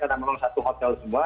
karena memang satu hotel semua